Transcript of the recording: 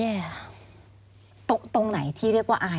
มันจอดอย่างง่ายอย่างง่ายอย่างง่าย